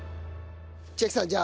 千晶さんじゃあ